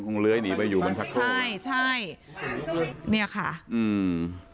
คงเล้ยหนีไปอยู่บนชะโครกใช่นี่ค่ะอืม